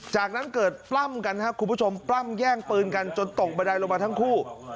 จากนั้นเกิดปล้ำกันครับคุณผู้ชมปล้ำแย่งปืนกันจนตกบันไดลงมาทั้งคู่